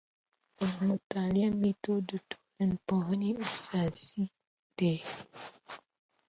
د مطالعې میتود د ټولنپوهنې اساس دی.